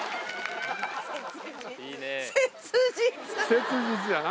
切実やな。